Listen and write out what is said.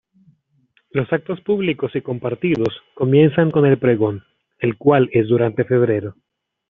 Los actos públicos y compartidos comienzan con el Pregón, el cual es durante febrero.